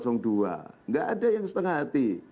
tidak ada yang setengah hati